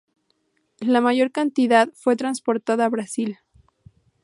La mayor cantidad fue transportada a Brasil.